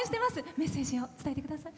メッセージをお伝えください。